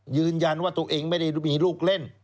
ยืนยันว่าตัวเองไม่ได้มีลูกเล่น